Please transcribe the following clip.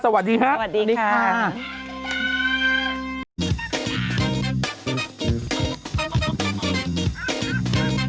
สวัสดีครับสวัสดีค่ะสวัสดีค่ะ